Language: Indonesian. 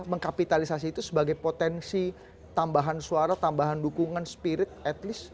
mengkapitalisasi itu sebagai potensi tambahan suara tambahan dukungan spirit at least